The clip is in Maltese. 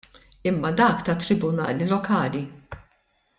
Imma dak tat-Tribunali Lokali.